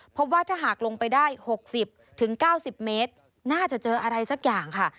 เพราะว่าถ้าหากลงไปได้๖๐๙๐เมตรน่าจะเจออะไรสักอย่างค่ะ